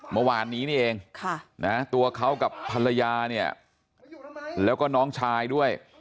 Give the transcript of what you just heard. เมื่อวานนี้นี่เองตัวเขากับภรรยาเนี่ยแล้วก็น้องชายด้วย